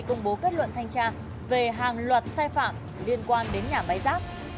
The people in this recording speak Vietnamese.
công bố kết luận thanh tra về hàng loạt sai phạm liên quan đến nhà máy rác